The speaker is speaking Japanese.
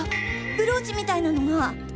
ブローチみたいなのが。